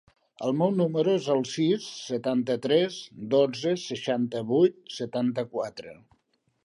El meu número es el sis, setanta-tres, dotze, seixanta-vuit, setanta-quatre.